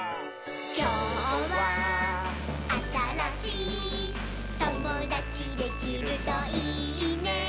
「きょうはあたらしいともだちできるといいね」